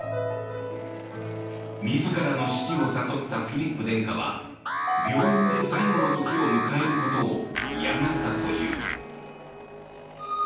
自らの死期を悟ったフィリップ殿下は病院で最期の時を迎えることを嫌がったという。